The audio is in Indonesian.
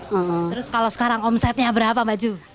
terus kalau sekarang omsetnya berapa mbak ju